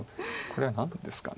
これは何なんですか。